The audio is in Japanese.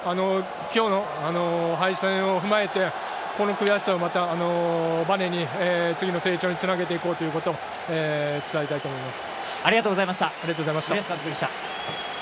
今日の敗戦を踏まえてこの悔しさをまたバネに次の成長につなげていこうということを伝えたいと思います。